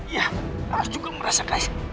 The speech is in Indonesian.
ya harus juga merasa kasih